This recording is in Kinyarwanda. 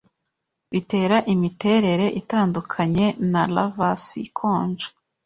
bitera imiterere itandukanye naLavas ikonje